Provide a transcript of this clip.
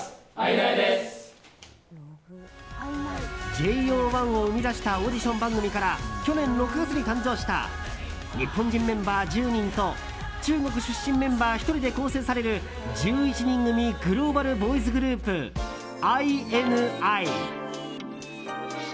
ＪＯ１を生み出したオーディション番組から去年６月に誕生した日本人メンバー１０人と中国出身メンバー１人で構成される１１人組グローバルボーイズグループＩＮＩ。